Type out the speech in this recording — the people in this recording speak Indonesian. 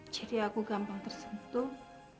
jadi aku gampang tersentuh